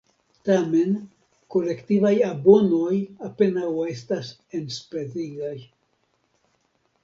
Tamen, kolektivaj abonoj apenaŭ estas enspezigaj.